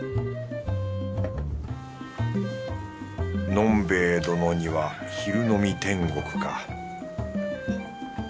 のんべえ殿には昼飲み天国か